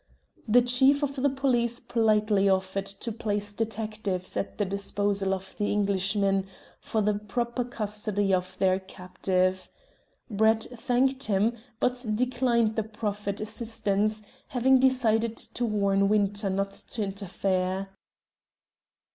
The Chief of the Police politely offered to place detectives at the disposal of the Englishmen for the proper custody of their captive. Brett thanked him, but declined the proffered assistance, having decided to warn Winter not to interfere.